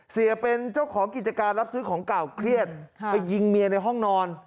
เสียเป็นเจ้าของกิจการรับซื้อของเก่าเครียดไปยิงเมียในห้องนอน